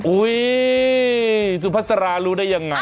อุ้ยสุพัสรารู้ได้ยังไง